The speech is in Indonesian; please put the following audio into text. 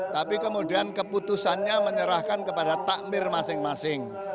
tapi kemudian keputusannya menyerahkan kepada takmir masing masing